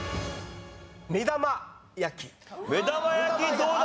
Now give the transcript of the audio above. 目玉焼きどうだ？